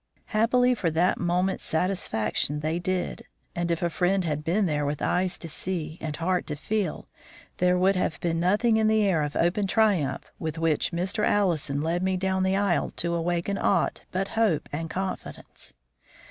Happily for that moment's satisfaction they did, and if a friend had been there with eyes to see and heart to feel, there would have been nothing in the air of open triumph with which Mr. Allison led me down the aisle to awaken aught but hope and confidence.